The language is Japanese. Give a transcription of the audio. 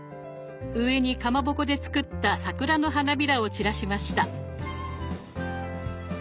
上にかまぼこで作った桜の花びらを散らしました。